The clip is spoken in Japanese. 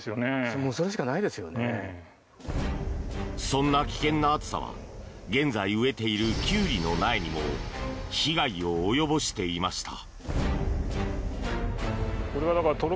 そんな危険な暑さは現在植えているキュウリの苗にも被害を及ぼしていました。